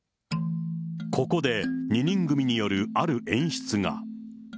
ここで、２人組によるある演出が。